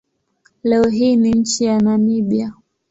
Leo hii ni nchi ya Namibia.